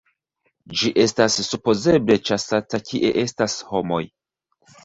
Ĝi estas supozeble ĉasata kie estas homoj.